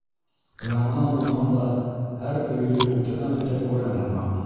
Янынан уҙғанда, һәр өйҙө үтәнән-үтә күрәм һымаҡ.